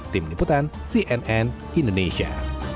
tim liputan cnn indonesia